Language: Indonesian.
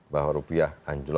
bahwa rupiah anjur